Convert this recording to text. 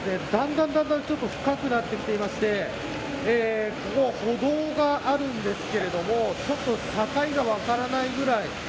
だんだんちょっと深くなってきていましてここは歩道があるんですけれどもちょっと境が分からないぐらい